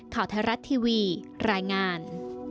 ข่าวไทยรัฐทีวีรายงาน